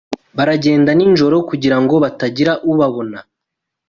Baragenda nijoro kugirango hatagira ubabona.